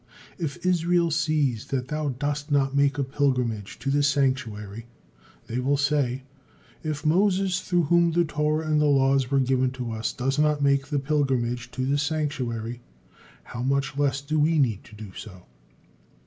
If Israel sees that thou dost not make a pilgrimage to the sanctuary, they will say, 'If Moses, through whom the Torah and the laws were given to us, does not make the pilgrimage to the sanctuary, how much less do we need to do so!'